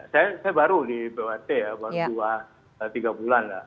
saya baru di bwt ya baru dua tiga bulan